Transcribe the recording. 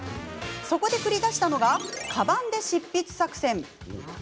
そこで繰り出したのがかばんｄｅ執筆作戦！